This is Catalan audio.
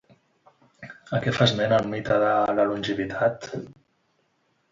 A què fa esment el mite de la longevitat?